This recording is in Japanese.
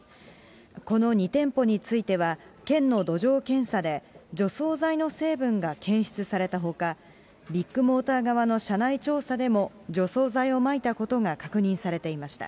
この２店舗については、県の土壌検査で、除草剤の成分が検出されたほか、ビッグモーター側の社内調査でも除草剤をまいたことが確認されていました。